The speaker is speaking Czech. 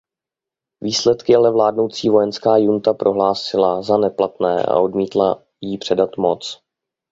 Výsledky ale vládnoucí vojenská junta prohlásila za neplatné a odmítla jí předat moc.